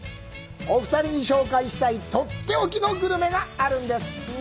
お二人に紹介したいとっておきのグルメがあるんです！